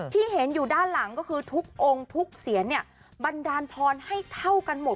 ที่เห็นอยู่ด้านหลังก็คือทุกองค์ทุกเสียนเนี่ยบันดาลพรให้เท่ากันหมด